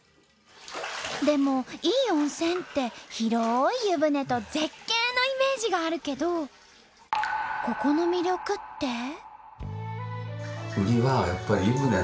でもいい温泉って広い湯船と絶景のイメージがあるけどここの魅力って？